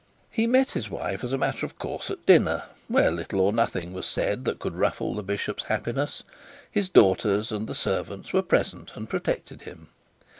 He met his wife as a matter of course at dinner, where little or nothing was said that could ruffle the bishop's happiness. His daughters and the servants were present and protected him.